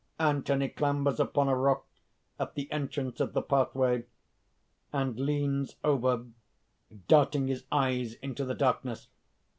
(_Anthony clambers upon a rock at the entrance of the pathway, and leans over, darting his eyes into the darkness.